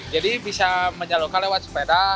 jadi bisa menjalurkan lewat sepeda